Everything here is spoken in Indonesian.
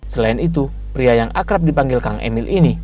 selain itu pria yang akrab dipanggil kang emil ini